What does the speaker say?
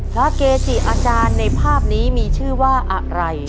เกจิอาจารย์ในภาพนี้มีชื่อว่าอะไร